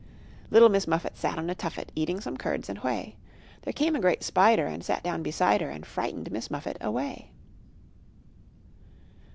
Little Miss Muffet Sat on a tuffet, Eating some curds and whey; There came a great spider, And sat down beside her, And frightened Miss Muffet away.